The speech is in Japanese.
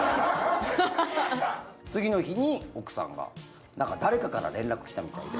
次の日に奥さんがなんか誰かから連絡来たみたいで。